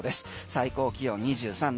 最高気温、２３度。